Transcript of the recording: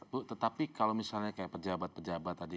bu tetapi kalau misalnya kayak pejabat pejabat tadi